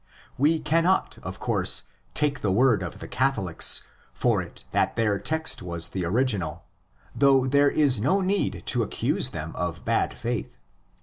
We cannot, of course, take the word of the '' Catholics" for it that their text was the original, though there is no need to accuse them of bad faith.